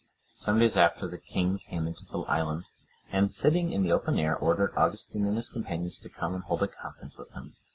Some days after, the king came into the island, and sitting in the open air, ordered Augustine and his companions to come and hold a conference with him.